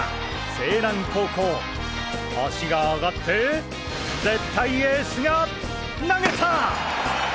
勢南高校足が上がって絶対エースが「投げた！」。